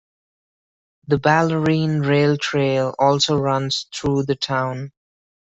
The Bellarine Rail Trail also runs through the town.